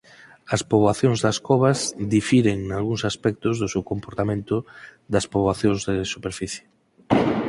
As poboacións das covas difiren nalgúns aspectos do seu comportamento das poboacións de superficie.